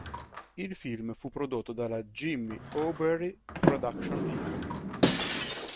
Il film fu prodotto dalla Jimmy Aubrey Productions Inc.